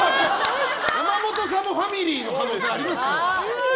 山本さんもファミリーの可能性ありますよ。